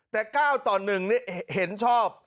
แต่๙ต่อ๑นี่เห็นชอบ